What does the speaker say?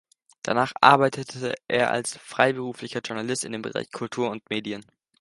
Danach arbeitete er als freiberuflicher Journalist im Bereich Kultur und Medien.